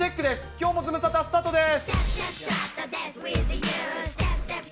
きょうもズムサタスタートです。